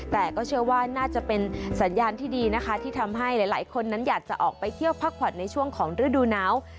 แต่ก็เชื่อว่าน่าจะเป็นสัญญาณที่ดีนะคะที่ทำให้หลายคนนั้นอยากจะออกไปเที่ยวพักผ่อนในช่วงของฤดูหนาว